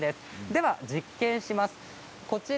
では実験します。